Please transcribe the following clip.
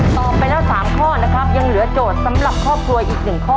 ตอบไปแล้ว๓ข้อนะครับยังเหลือโจทย์สำหรับครอบครัวอีก๑ข้อ